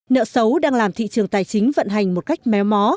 nợ xấu đang làm thị trường tài chính vận hành một cách méo mó